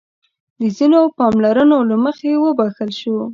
د ځينو پاملرنو له مخې وبښل شو.